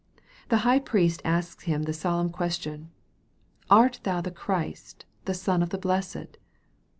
The high priest asks Him the solemn question, " Art thou the Christ, the Son of the Blessed